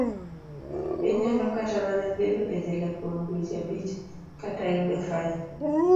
Inyalo kata mana bedo e jela kuom dweche abich, kata yudo fain.